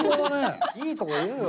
いいとこ言うよ。